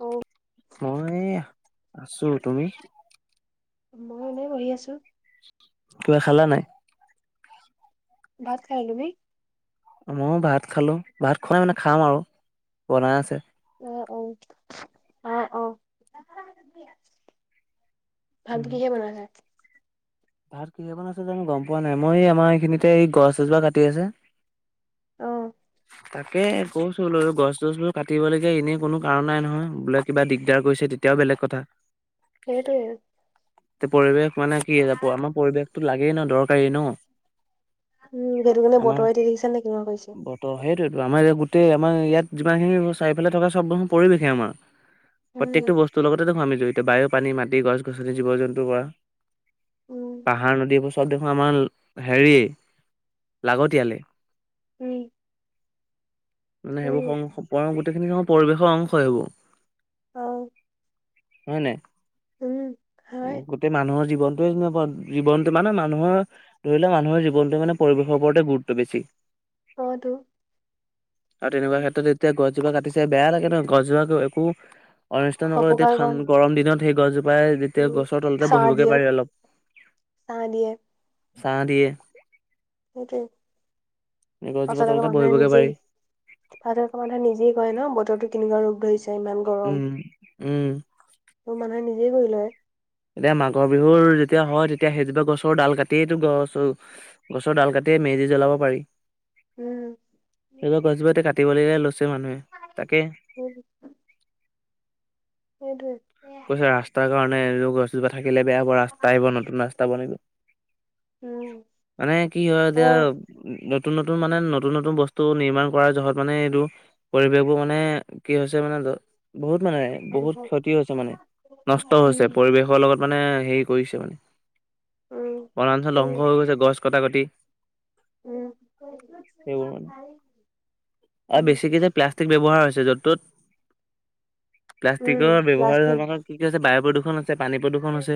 অ মই এয়া আছোঁ, তুমি? মই এনেই বহি আছোঁ। কিবা খালা নাই? ভাত খাই আহিলোঁ, তুমি? মইও ভাত খালোঁ, ভাত খোৱাই মানে খাম আৰু বনাই আছে। অ' অ' অ' ভাত উম, কিহে বনালা আজি? ভাত কিহে বনাইছে জানো গম পোৱা নাই, মই আমাৰ এইখিনিতে এই গছ এজোপা কাটি আছে অ' [unintelligible] তাকে কইছো বোলো গছ চছবোৰ কাটিবলগীয়া এনেই কোনো কাৰণ নাই নহয় বোলে কিবা দিগদাৰ কৰিছে তেতি য়া বেলেগ কথা। সেইটোৱে। পৰিৱেশ মানে কি আমাৰ পৰিৱেশতো লাগেই ন দৰকাৰী ন। উম সেইটো কাৰণে বতৰে দেখিছা নে কেনেকুৱা কৰিছে। ত' সেইটোৱেটো আমাৰ ই গোটেই আমাৰ ইয়াত যিমানখিনি চাৰিফালে থকা চব পৰিৱেশে আমাৰ। প্ৰত্যেকটো উম বস্তুৰ লগতে দেখোন আমি জৰিত বায়ু, পানী, মাটি গছ গছনি। জীৱ জন্তুৰ পৰা উম পাহাৰ নদী বস্তু চব দেখোন আমাৰ হেৰি লাগতিয়ালে। উম মানে সেইবোৰ [inaudible] গোটেইখিনি সময়ৰ পৰিৱেশৰ অংশ সেইবোৰ। অ হয় নাই? উম হয় গোটেই মানুহৰ জীৱনটোৱে জীৱনটো মানে মানুহৰ ধৰি লোৱা মানুহৰ জীৱনটোৱে মানে পৰিৱেশৰ ওপৰতে গুৰুত্ব বেছি। হয়টো। আৰু তেনেকুৱা ক্ষেত্ৰত এতিয়া গছজোপা কাটিছে বেয়া লাগে নহয় গছজোপা টো একো অনিষ্ঠ নকৰাকে অপকাৰ ঠানড কৰে গৰম দিনত সেই গছজোপাই যি তেতিয়া উম গছৰ তলতে ছাঁ বহিবগে দিয়ে পাৰে অলপ, ছাঁ দিয়ে ছা দিয়ে। সেইটোৱে। গছজোপা পাচত আকৌ তলতে মানুহে বহিবগে নিজেই পাৰি পাছত আকৌ মানুহে নিজেইে কয় ন বতৰটো কেনেকুৱা ৰূপ ধৰিছে ইমান গৰম। উম উম। ত' মানুহে নিজেই কৰি লয়। যেতিয়া মাঘ বিহুৰ যেতিয়া হয় তেতিয়া সেইজোপা গছৰ ডাল কাটিয়ে গছ গছৰ ডাল কাটিয়ে মেজি জ্বলাব পাৰি। উম। তেনেকুৱা গছজোপা কাটিব লে লৈছে মানুহে তাকে উম। সেইটোৱে। কৈছে ৰাস্তাৰ কাৰণে এইযোৰ গছজোপা থাকিলে বেয়া হ'ব ৰাস্তা আহিব নতুন ৰাস্তা বনিব। উম মানে কি হয় অ এতিয়া নতুন-নতুন মানে নতুন-নতুন বস্তু নিৰ্মাণ কৰাৰ জহত মানে এইটো পৰিৱেশ বোৰ মানে কি হৈছে মানে, বহুত মানে ভাল বহুত ভাল ক্ষতি হৈছে মানে, নষ্ট হৈছে উম পৰিৱেশৰ লগত মানে হেৰি কৰিছে মানে। উম বনাঞ্চল ধ্বংস সেইটোৱে হৈ গৈছে গছ কটা-কটি। উম সেইবোৰ মানে, আৰু উম বেছিকে যে প্লাষ্টিক ব্যৱহাৰ হৈছে য'ত-ত'ত, উম প্লাষ্টিকৰ ব্যৱহাৰ প্লাষ্টিক এতিয়া যে বায়ু প্ৰদূৰ্ষণ হৈছে, পানী প্ৰদূৰ্ষণ হৈছে।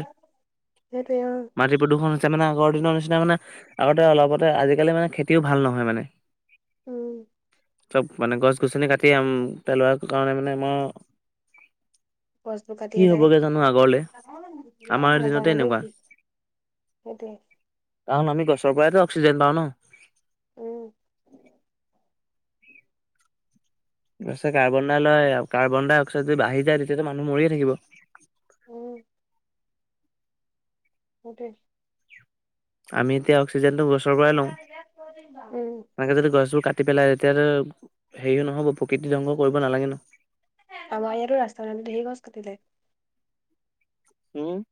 সেইটোৱে অ মাটি প্ৰদূষণ হৈছে মানে আগৰ দিনৰ নিচিনা মানে, আগতে অলপতে আজিকালি মানে খেতিও ভাল নহয় মানে। উম। চব মানে গছ-গছনি কাটি পেলোৱাৰ কাৰণে মানে আমাৰ গছবোৰ কি কাটি আদায়, হ'বগে জানো আগৰলে আমাৰ দিনতে নাজানো দেই এনেকুৱা কি? সেইটোৱে। কাৰণ আমি গছ পৰাই অক্সিজেন পাওঁ নহ। উম। তাৰছে কাৰ্বন ডাই লয়, কাৰ্বন ডাই অক্সাই যদি হে বাহি যায় তেতিয়া টো মানুহ মৰিয়ে থাকিব। উম। সেইটোৱে। আমি এতিয়া অক্সিজেনটো গছৰ পৰাই লওঁ, উম সেনেকে যদি গছবোৰ কাটি কাটি পেলাই তেতিয়াটো হেৰিও নহ'ব, প্ৰকৃতি ধ্বংস কৰিব নালাগে ন। আমাৰ ইয়াতো ৰাস্তা [unintelligible] ধেৰ গছ কাটিলে। উম,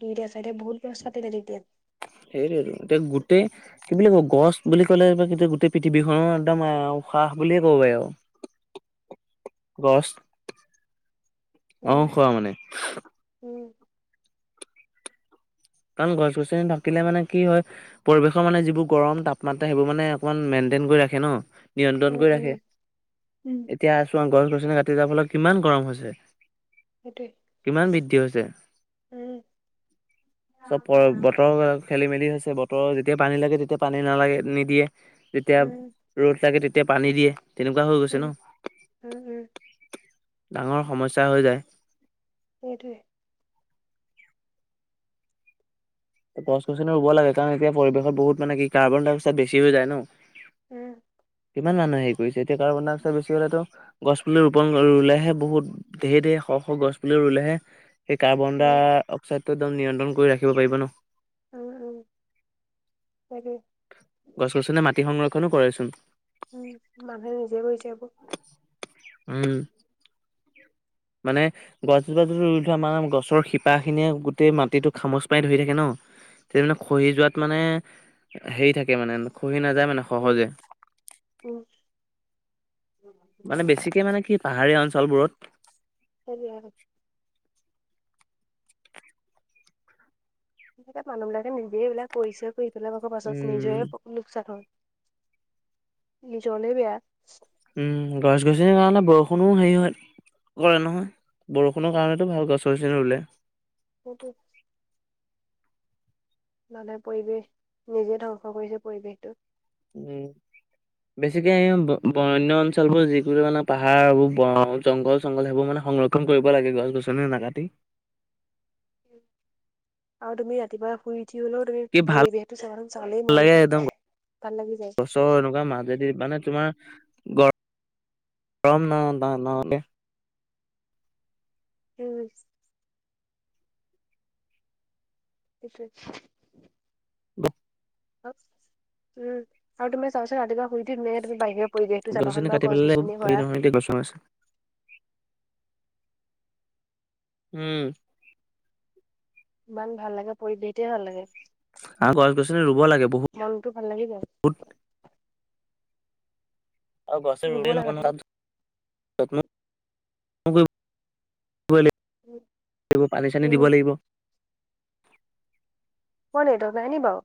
দুইটা চাইটে এতিয়া বহুত গছ কাটিলে তেতিয়া। সেইটোৱেইটো এতিয়া গোটেই কি বুলি কব গছ বুলি ক'লে, গোটেই পৃথিৱীখনো একদম উশাহ বুলিয়ে কব পাৰি আৰু। গছ, উম অ', খোৱা মানে। উম, কাৰণ গছ-গছনি থাকিলে মানে কি হয়? পৰিৱেশৰ মানে যিবোৰ গৰম তাপমাত্ৰা, সেইবোৰ মানে অকমান মেইনটেইন কৰি ৰাখে ন। নিয়ন্ত্ৰণ উম কৰি উম ৰাখে, উম এতিয়া চোৱা গছ-গছনি কাটি যোৱাৰ ফালে কিমান গৰম হৈছে। সেইটোৱেই, কিমান বৃদ্ধি হৈছে। উম। চব বতৰ খেলি-মেলি হৈছে বতৰৰ যেতিয়া পানী লাগে, তেতিয়া পানী নালাগে নিদিয়ে। যেতিয়া, উম ৰ'দ লাগে তেতিয়া পানী দিয়ে, তেনেকুৱা হৈ গৈছে উম ন। উম উম ডাঙৰ সমস্যা হৈ যায়। সেইটোৱে। গছ-গছনি ৰুব লাগে, কাৰণ এতিয়া পৰিৱেশত বহুত মানে কি কাৰ্বন ডাই অক্সাইড বেছি হৈ যায় ন। উম না, না, না, নাই ইমান মানুহ হেৰি কৰিছে, এতিয়া কাৰ্বন-ডাই অক্সাইড বেছি হ'লেটো গছ পুলি ৰোপণ ৰুলেহে বহুত ধেৰ ধেৰ শ- শ গছ পুলি ৰুলেহে সেই কাৰ্বন ডা উম অক্সাইডটো একদম নিয়ন্ত্ৰণ কৰি ৰাখিব পাৰিব ন? অ', অ' তাকেই। গছ-গছনিয়ে মাটি সংৰক্ষণো কৰেচোন? উম, মানুহে নিজেই কৰিছে এইবোৰ। উম। মানে গছজোপা জোপ তুমি ৰুই থোৱা, মানে গছৰ শিপাখিনিয়ে গোটেই মাটিটো খামচ মাৰি ধৰি থাকে ন? তেতিয়া মানে খহি যোৱাত মানে হেৰি থাকে মানে খহি নাযায় মানে উম সহজে। উম। মানে বেছিকে মানে কি পাহাৰীয়া অঞ্চলবোৰত। তই জিয়াই থাক? সেই মানুহবিলাকে নিজেই এইবিলাক কৰি কৰিছেই, কৰি পেলাই আকৌ পাছত নিজৰে উম লোকচান হয়, নিজৰলেই বেয়া। উম, গছ-গছনি হোৱা হলে, বৰষুনো হেৰি হয়, কৰে নহয় বৰষুণৰ কাৰণেতো ভাল গছ গছনি ৰুলে। সেইটোৱেই। মানুহে পৰিৱেশ নিজে ধ্বংস কৰিছে পৰিৱেশটো। উম। বেছিকে বণ্যঅঞ্চলবোৰ মানে, পাহাৰবোৰ জংঘল-চংঘল সেইবোৰ মানে সংৰক্ষন ক্ষন কৰিব লাগে, গছ-গছনি নাকাতি। আৰু তুমি ৰাতিপুৱা শুই উঠি হ'লেও তুমি কি ভাল পৰিৱেশটো চালেই মনটো ভাল লাগি যায়। ত' এনেকুৱা মাজেদি মানে তোমাৰ গৰ-গৰম ন-ন-ন উম সেইটোৱেই। [unintelligible] উম', আৰু তুমি চাবাচোন ৰাতিপুৱা শুই উঠি ধুনীয়কে তুমি বাহিৰ পৰিৱেশটো গছনি চাবাচোন বাৰু কাটি গছ পেলালে গছনি হেৰি ভৰা নহয় এতিয়া বছন আছে। উম। ইমান ভাল লাগে, পৰিৱেশটোৱে ভাল লাগে। আৰু গছ গছনি ৰুব লাগে, বহু মনটো ভাল লাগি যায়। আৰু গছ গছনি ৰুব ৰুলেই নহ'ব, লাগাটো তাত যত্মও কৰিব লাগিব। এইবোৰ পানী চানী উম দিব লাগিব। তৰ নেটৱৰ্ক নাই নি বাৰু?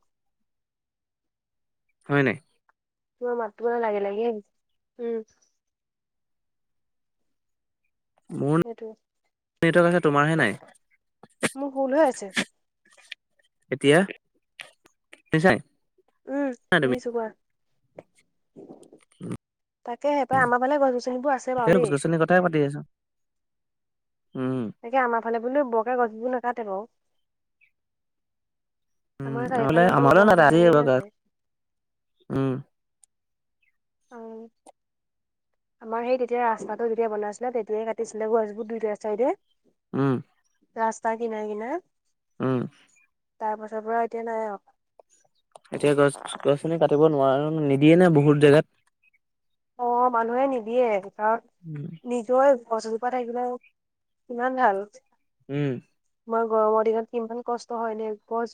হয় নাই? তোমাৰ মাতটো অলপ লাগি লাগি আহিছে, উম। মোৰ সেইটো। নেটৱৰ্ক আছে, তোমাৰহে নাই। মোৰ ভুল হৈ আছে। এতিয়া, শুনিছাই উম, নাই তুমি শুনিছোঁ কোৱা। তাকেহে পাই, আমাৰ ফালে গছ গছনিবোৰ আছে বাৰু দেই। অথনি কথাই পাতি আছোঁ। উম। তাকে আমাৰ ফালে বোলো বকে গছবোৰ নাকাটে বাৰু। উম আমাৰ নহলে চাৰিওফালে অকল আমাৰো গছ নাই গছনিহে আজি আছে। উম। অ', [inaudible] আমাৰ সেই তেতিয়া ৰাস্তাটো যেতিয়া বনাইছিলে, তেতিয়াই কাটিছিলে গছবোৰ দুইটা চাইডে। উম। ৰাস্তাৰ কিনাৰে কিনাৰে। উম। তাৰ পাছৰ পৰা এতিয়া নাই আৰু। এতিয়া গছ গছনি কাটিব নোৱাৰ, নিদিয়ে ন' বহুত জেগাত। অ' মানুহে নিদিয়ে কাৰণ [inaudible] নিজৰ গছজোপা থাকিলে কিমান ভাল। উম। তোমাৰ গৰমৰ দিনত ইমান কষ্ট হয় নে গছ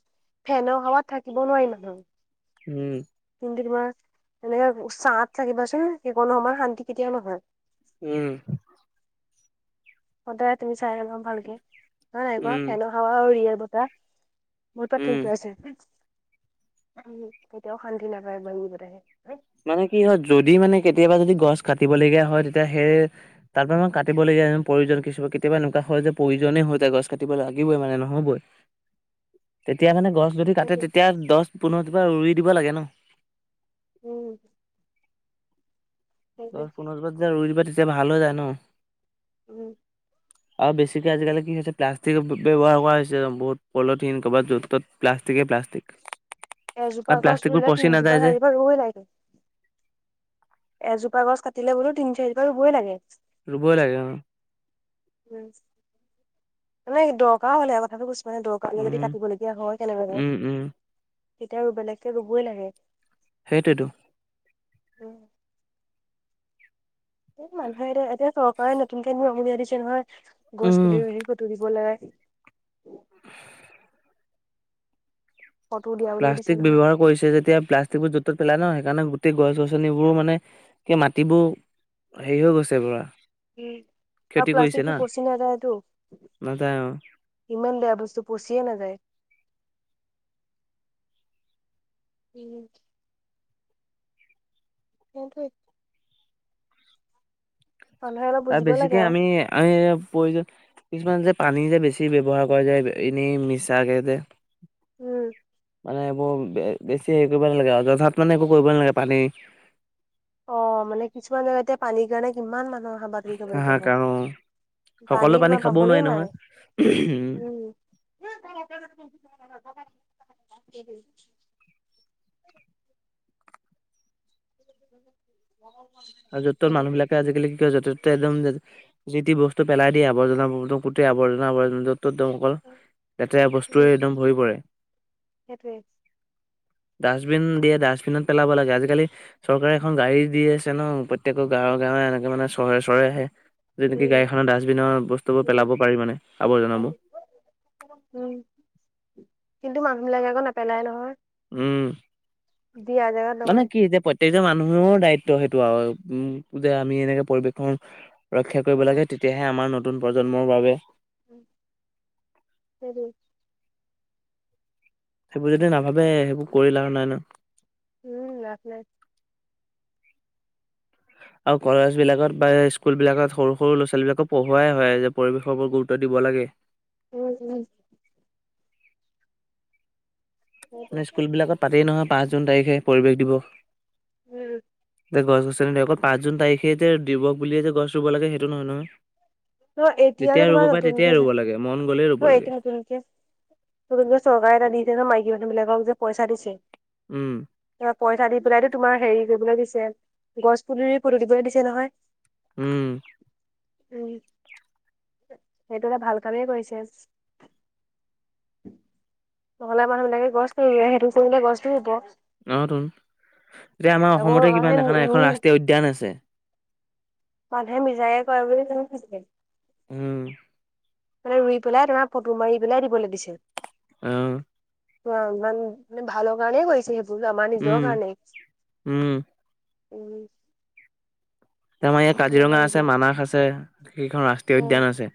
ফেনৰ হাৱাত থাকিব নোৱাৰি মানুহ। উম। কিন্তু তোমাৰ এনেকে ছাত থাকিবাচোন, সেইকণ সমান শান্তি কেতিয়াও নহয়। উম। সদায় তুমি চাই ল'বা ভালকে, হয় নাই কোৱা, উম, ফেনৰ হাৱা আৰু ৰিয়েল বতাহ। বহুত উম। পাৰ্থক্য আছে। উ, কেতিয়াও শান্তি নাপায় মানুহবিলাকে। মানে কি হয় যদি মানে কেতিয়াবা যদি গছ কাটিবলগীয়া হয়, তেতিয়া সেই তাৰ পৰা মই কাটিবলগীয়া প্ৰয়োজন কিছু, কেতিয়াবা একুৱা হয় যে প্ৰয়োজনেই হৈ যায় গছ কাটিব লাগিবই মানে নহ'বই। তেতিয়া মানে গছ যদি কাটে সেইটোৱে তেতিয়া দহ পোন্ধৰ জোপা ৰুই দিব লাগে ন'। উম। দহ সেইটোৱে পোন্ধৰ জোপা যেতিয়া ৰুই দিবা তেতিয়া ভাল হৈ যায় ন'। উম। আৰু বেছিকে আজিকালি কি হৈছে প্লাষ্টিক ব্যৱহাৰ কৰা হৈছে বহুত, পলিথিন ক'ৰবাত য'ত ত'ত প্লাষ্টিকে প্লাষ্টিক। এজোপা কাৰণ গছ প্লাষ্টিকবোৰ ৰুলে পচি নাযায় তিনজোপা, যে। চাৰি জোপা ৰুবই লাগে। এজোপা গছ কাটিলে বোলো তিনি চাৰি জোপা ৰুবই লাগে। ৰুবই লাগে অ'। উম, মানে দৰকাৰ হ'লেহে কথাটো কৈছোঁ। মানে দৰকাৰ যদি উম কাটিবলগীয়া হয় কেনেবাকে উম উম তেতিয়া আৰু বেলেগকে ৰুবই লাগে। সেইটোৱেতো। উম এই মানুহে এতিয়া এতিয়া চৰকাৰে নতুনকে নিয়ম উলীয়াই দিছে নহয়, গছ উম পুলি ৰুই ৰুই ফটো দিব লাগে। ফটো উলিয়াবলৈও দিছে প্লাষ্টিক নহয় ব্যৱহাৰ কৰিছে যেতিয়া প্লাষ্টিকবোৰ য'ত ত'ত পেলাই ন' সেইকাৰণে গোটেই গছ গছনিবোৰো মানে কে মাটিবোৰ হেৰি হৈ গৈছে পুৰা। উম আৰু ক্ষতি কৰিছে প্লাষ্টিকটো না পচি নাযায়টো। নাযায় অ ইমান বেয়া বস্তু পচিয়ে নাযায়। [unintelligible] [unintelligible] মানুহে অলপ আৰু বুজিব লাগে বেছিকে আমি আমি প্ৰয়োজন কিছুমান যে পানী যে বেছি ব্যৱহাৰ কৰে যে এনেই মিছাকে যে। উম। মানে এইবোৰ বেছি হেৰি কৰিব নালাগে অযথাত মানে এইবোৰ কৰিব নালাগে পানী অ' মানে কিছুমান জেগাতে পানীৰ কাৰণে কিমান মানুহৰ হাবাথুৰি খাবলগীয়া হয়। হাহাকাৰ অ সকলো পানী তোমাৰ খাবও নোৱাৰি পাবলৈ নাই। নহয় উম। [unintelligible] [unintelligible] আৰু য'ত ত'ৰ সেইটো মানুহবিলাকে আজিকালি কি কৰে যতে তাতে একদম যি টি বস্তু পেলাই দিয়ে আৱৰ্জনা গোটেই আৱৰ্জনা [unintelligible] [unintelligible] লেতেৰা বস্তুৰে উম একদম ভৰি পৰে। সেইটোৱে। ডাষ্টবিন দিয়ে ডাষ্টবিনত পেলাব লাগে। আজিকালি চৰকাৰে এখন গাড়ী দিয়ে। ন প্ৰত্যেকৰ গাঁৱে গাঁৱে এনেকে মানে, চহৰে চহৰে আহে। যি নেকি উম গাড়ীখনৰ ডাষ্টবিনৰ বস্তুবোৰ উম পেলাব পাৰি মানে আৱৰ্জনা বোৰ। উম কিন্তু মানুহবিলাকে আকৌ নেপেলাই নহয়। উম দিয়া জেগাত মানে নবহে। কি এতিয়া [unintelligible] মানুহৰ দায়িত্ব সেইটো আৰু উম যে আমি যে এনেকে পৰিৱেশৰ ৰক্ষা কৰিব লাগে তেতিয়াহে আমাৰ নতুন প্ৰজন্মৰ বাবে [unintelligible] সেইবোৰ যদি নাভাবে। সেইবোৰ কৰি লাভ নাই ন। উম লাভ নাই। আৰু কলেজ বিলাকত বা স্কুল বিলাকত সৰু সৰু ল'ৰা-ছোৱালী বিলাকক পঢ়োৱাই হয় যে পৰিৱেশৰ ওপৰত গুৰুত্ব দিব লাগে। উম, উম। সেইটোৱে। মানে স্কুলবিলাক পাতেই নহয় পাঁচ জুন তাৰিখে পৰিৱেশ দিৱস। উম। গছ গছনি অকল পাঁচ জুন তাৰিখে যে দিৱস বুলিয়ে যে গছ ৰুব লাগে সেইটো নহয় ন। অ' এতিয়া যে তোমাৰ নতুনকে ৰুব যে, লাগে মন গ'লেই ৰুব লাগে এতিয়া নতুনকে [unintelligible] চৰকাৰে এটা দিছে ন মাইকী মানুহ বিলাকক যে পইচা দিছে উম। পইচা দি পেলাইতো তোমাৰ হেৰি কৰিবলৈ দিছে, গছ পুলিৰ ফুটো দিবলৈ দিছে নহয়। উম। উম। সেইটো এটা ভাল কামেই কৰিছে। নহ'লে মানুহ বিলাকে গছটো নুৰুৱে, সেইটো কৰিলে গছটো ৰুব। অ' টো এতিয়া আমাৰ তাকো অসমতে কিবা মানুহে দেখা নাই এখন ৰুই ৰাষ্ট্ৰীয় উদ্যান আছে। মানুহে মিছাকে কৰে বুলি [unintelligible] উম। মানে ৰুই পেলাই তোমাৰ ফটো মাৰি পেলাই দিবলৈ দিছিল। অ'। চোৱা ইমান মানে ভালৰ কাৰণেই কৰিছে সেইবোৰ আমাৰ নিজৰ উম কাৰণেই। উম উম। এ আমাৰ ইয়াত এইবোৰ কাজিৰঙা আমাৰ আছে নিজৰ মানাস আছে সেইখন অ ৰাষ্ট্ৰীয় উদ্যান আছে।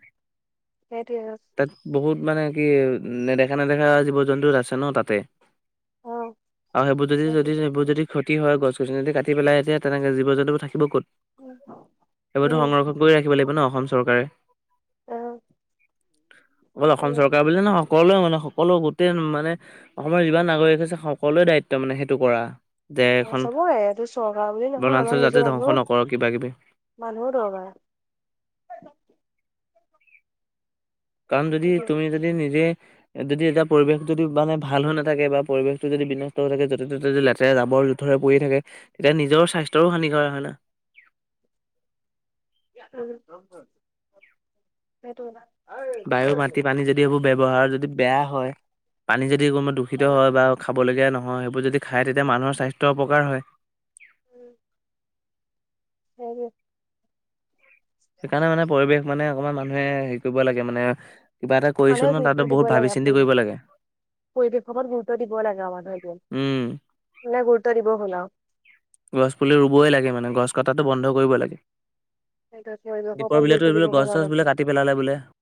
সেইটোৱে। তাত বহুত মানে কি নেদেখা, নেদেখা জীৱ জন্তু আছে ন তাতে। অ আৰু সেইবোৰ যদি, সেইটোৱে যদি সেইবোৰ যদি ক্ষতি হয় গছ- গছনি যদি কাটি পেলাই এতিয়া তেন্তে জীৱ জন্তুবোৰ থাকিব ক'ত। উম। সেই বোৰটো উম সংৰক্ষণ কৰি ৰাখিব লাগিব ন অসম চৰকাৰে। অ অকল অসম সেইটোৱে চৰকাৰক। কৰিলে নহয় সকলোৱে মানে সকলো গোটেই মানে অসমৰ যিমান নাগৰিক আছে সকলোৰে দায়িত্ব মানে সেইটো কৰা। যে অ এখন চবৰে এইটো চৰকাৰ বুলি নহয় বনাঞ্চল জাতে ধ্বংস নকৰক কিবা কিবি। মানুহো দৰকাৰ। কাৰণ যদি সেইটোৱে তুমি যদি নিজে এ যদি এতিয়া পৰিৱেশ যদি মানে ভাল হৈ নাথাকে বা পৰিবেশটো যদি বিনষ্ট হৈ থাকে য'তে ত'তে যদি লেতেৰা জাবৰ জথোৰ হৈ পৰি থাকে তেতিয়া নিজৰ স্বাস্থ্যৰো হানি কৰা হয় না। উম সেইটোৱে কথা। বায়ু মাটি পানী যদি এইবোৰ ব্যৱহাৰ যদি বেয়া হয় পানী যদি কোনোবাত দূষিত হয় বা খাবলগীয়া নহয় সেইবোৰ যদি খায় তেতিয়া মানুহৰ স্বাস্থ্যৰ অপকাৰ হয়। সেইয়ে। সেইকাৰণে মানে পৰিৱেশ মানে অকমান মানুহে হেৰি কৰিব লাগে মানে। কিবা এটা কৰিছোঁ মানুহে নো গুৰুত্ব তাতে দিব বহুত লাগে ভাবি চিন্তি কৰিব লাগে। পৰিৱেশ সমূহত গুৰুত্ব দিব লাগে আৰু মানুহে যে উম মানে গুৰুত্ব দিবৰ হ'ল আৰু। গছ পুলি ৰুবই লাগে মানে গছ কটাটো বন্ধ কৰিব লাগে। সেইটোৱে, পৰিৱেশৰ দীপৰ ওপৰত বিলোটো গুৰুত্ব দিব এইফালে গছ হ'ল আৰু চছ বোলে মানুহে কাটি পেলালে বোলে।